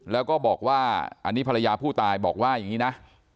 แล้วก็บอกว่าอันนี้ภรรยาผู้ตายบอกว่าอย่างนี้นะ